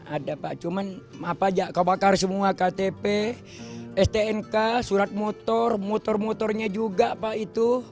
ada pak cuman apa aja kau bakar semua ktp stnk surat motor motor motornya juga pak itu